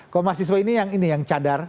kok mahasiswa ini yang ini yang cadar